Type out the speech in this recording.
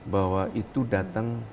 bahwa itu datang